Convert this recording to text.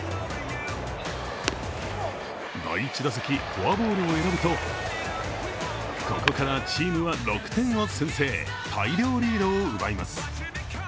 第１打席、フォアボールを選ぶとここからチームは６点を先制大量リードを奪います。